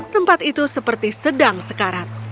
tempat itu seperti sedang sekarat